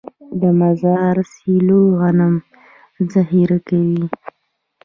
د مزار سیلو غنم ذخیره کوي.